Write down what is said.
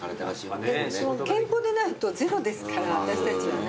健康でないと０ですから私たちはね。